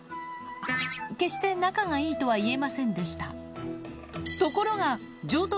決して仲がいいとは言えませんでした。